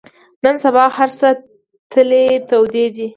نن سبا هر څه تلې تودې دي.